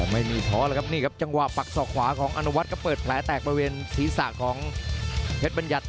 ไม่มีท้อกลมพยมศรีจังหวะปักศอกขวาของอันวัดเปิดแผลแตกบริเวณศีรษะของเพชรบรรยัตน์